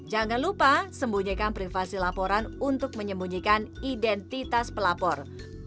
jangan lupa sembunyikan privasi laporan untuk menyembunyikan identitas pelapor